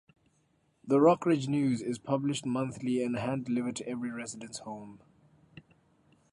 The "Rockridge News" is published monthly and hand delivered to every resident's home.